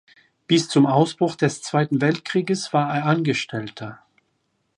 Bis zum Ausbruch des Zweiten Weltkrieges war er Angestellter.